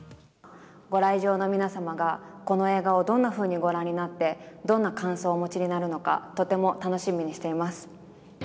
ご来場の皆様が、この映画をどんなふうにご覧になって、どんな感想をお持ちになるのか、とても楽しみにしています。